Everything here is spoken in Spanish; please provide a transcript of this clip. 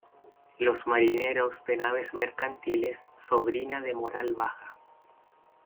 Los marineros de naves mercantiles sobrina de moral baja.